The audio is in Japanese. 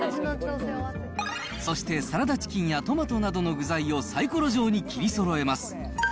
そしてサラダチキンやトマトなどの具材をサイコロ状に切りそろえます。